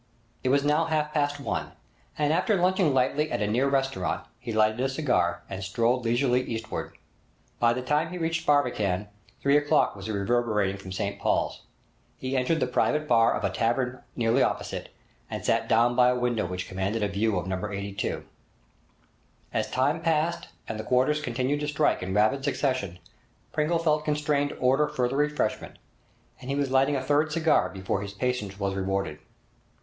It was now half past one, and, after lunching lightly at a near restaurant, he lighted a cigar and strolled leisurely eastward. By the time he reached Barbican three o'clock was reverberating from St Paul's. He entered the private bar of a tavern nearly opposite, and sat down by a window which commanded a view of No. 82. As time passed and the quarters continued to strike in rapid succession, Pringle felt constrained to order further refreshment; and he was lighting a third cigar before his patience was rewarded.